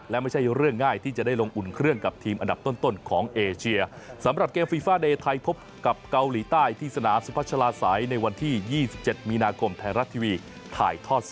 และไม่ใช่เรื่องง่ายที่จะได้ลงอุ่นเครื่องกับทีมอันดับต้นของเอเชีย